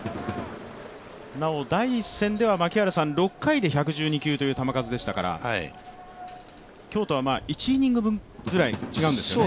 なお、第１戦では６回で１１２球という球数でしたから今日とは１イニング分ぐらい違うんですよね。